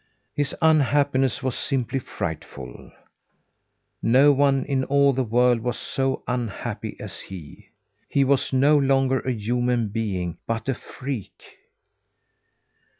His unhappiness was simply frightful! No one in all the world was so unhappy as he. He was no longer a human being but a freak.